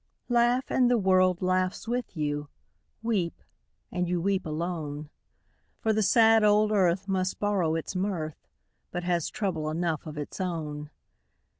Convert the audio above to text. Laugh, and the world laughs with you; Weep, and you weep alone; For the sad old earth must borrow its mirth, But has trouble enough of its own.